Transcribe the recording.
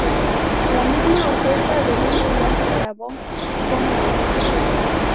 La misma orquesta con Luis Díaz le grabó "¡Cómo me gusta!